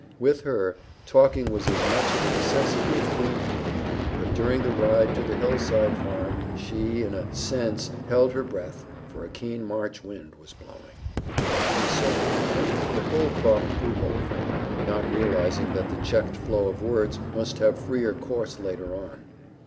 With her, talking was as much of a necessity as breathing; but during the ride to the hillside farm she, in a sense, held her breath, for a keen March wind was blowing. She was so quiet that Holcroft grew hopeful, not realizing that the checked flow of words must have freer course later on.